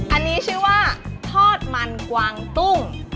อันนี้ชื่อว่าทอดมันกวางตุ้ง